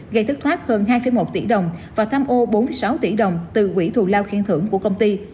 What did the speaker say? gây thất thoát hơn hai một tỷ đồng và tham ô bốn mươi sáu tỷ đồng từ quỹ thù lao khen thưởng của công ty